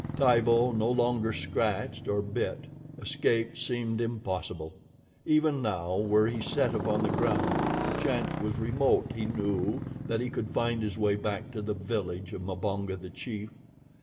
Tibo no longer scratched or bit. Escape seemed impossible. Even now, were he set upon the ground, the chance was remote, he knew, that he could find his way back to the village of Mbonga, the chief.